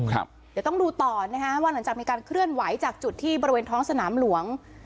เดี๋ยวต้องดูต่อนะฮะว่าหลังจากมีการเคลื่อนไหวจากจุดที่บริเวณท้องสนามหลวง